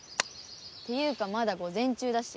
っていうかまだ午前中だし。